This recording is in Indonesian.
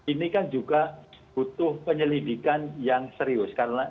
ini kan juga butuh penyelidikan yang serius